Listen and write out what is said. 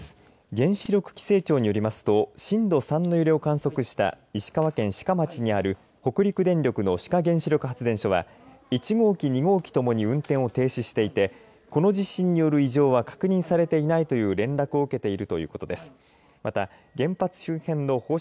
原子力規制庁によりますと震度３の揺れを観測した石川県志賀町にある北陸電力の志賀原子力発電所は１号機２号機ともに運転を停止していてこの地震による異常は確認されていないという連絡を受けているということです。